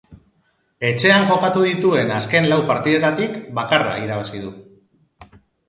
Etxean jokatu dituen azken lau partidetatik bakarra irabazi du.